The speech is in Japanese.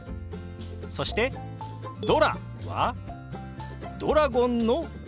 そして「ドラ」はドラゴンの「ドラ」。